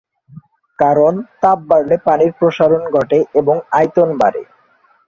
কারণ তাপ বাড়লে পানির প্রসারণ ঘটে এবং আয়তন বাড়ে।